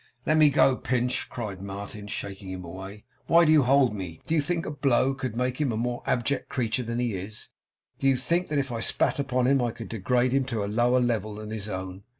'Let me go, Pinch!' cried Martin, shaking him away. 'Why do you hold me? Do you think a blow could make him a more abject creature than he is? Do you think that if I spat upon him, I could degrade him to a lower level than his own?